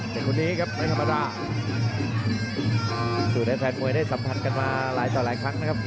เป็นคนนี้ครับไม่ธรรมดาสูตรให้แฟนมวยได้สัมผัสกันมาหลายต่อหลายครั้งนะครับ